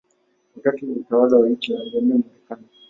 Wakati wa utawala wa Hitler alihamia Marekani.